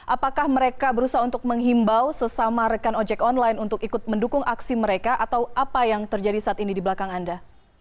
apakah mereka berusaha untuk menghimbau sesama rekan ojek online untuk ikut mendukung aksi mereka atau apa yang terjadi saat ini di belakang anda